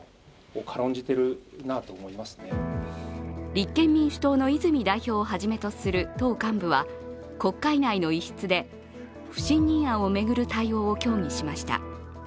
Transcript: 立憲民主党の泉代表をはじめとする党幹部は国会内の一室で不信任案を巡る対応を協議しました。